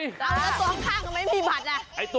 แล้วตัวข้างก็ไม่มีบัตรอ่ะ